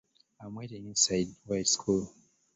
I'm waiting inside where it's cool.